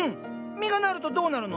実がなるとどうなるの？